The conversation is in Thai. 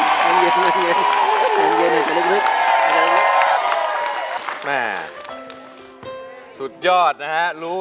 ไม่ทำได้ไม่ทำได้